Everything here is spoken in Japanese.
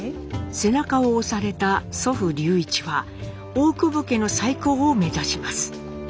背中を押された祖父隆一は大久保家の再興を目指します。